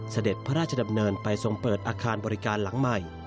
เสด็จพระราชดำเนินไปทรงเปิดอาคารบริการหลังใหม่